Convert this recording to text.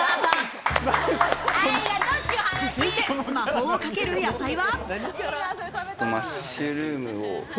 続いて魔法をかける野菜は。